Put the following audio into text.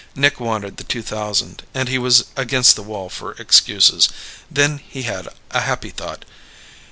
Nick wanted the two thousand and he was against the wall for excuses. Then he had a happy thought.